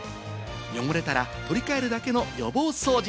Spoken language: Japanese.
汚れたら取り替えるだけの予防掃除。